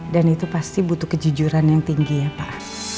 dan itu pasti butuh kejujuran yang tinggi ya pak